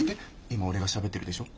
今俺がしゃべってるでしょ